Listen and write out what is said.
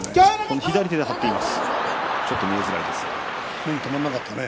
左手で張っています。